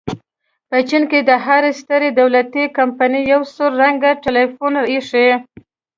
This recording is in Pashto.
په چین کې د هرې سترې دولتي کمپنۍ یو سور رنګه ټیلیفون ایښی.